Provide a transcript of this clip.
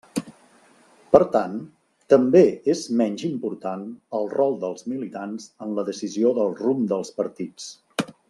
Per tant, també és menys important el rol dels militants en la decisió del rumb dels partits.